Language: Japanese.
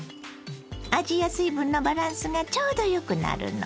味や水分のバランスがちょうどよくなるの。